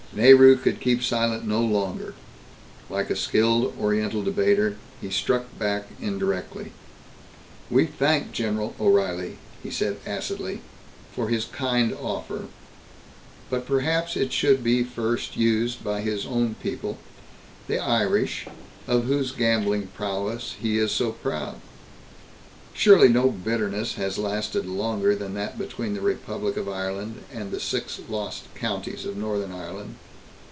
Nehru could keep silent no longer. Like a skilled Oriental debater, he struck back indirectly. "We thank General O'Reilly," he said acidly, "for his kind offer, but perhaps it should be first used by his own people, the Irish, of whose gambling prowess he is so proud. Surely no bitterness has lasted longer than that between the Republic of Ireland and the 'Six Lost Counties' of Northern Ireland.